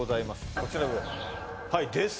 こちらです